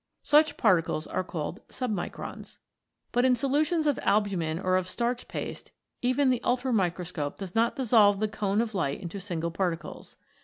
Such particles are called Submicrons. But in solutions of albumin or of starch paste even the ultramicroscope does not dissolve the cone of light into single particles.